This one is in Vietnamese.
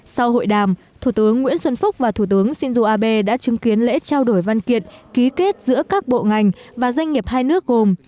sau hội đàm thủ tướng nguyễn xuân phúc và thủ tướng shinzo abe đã chứng kiến lễ trao đổi văn kiện ký kết giữa các bộ ngành và doanh nghiệp hai nước gồm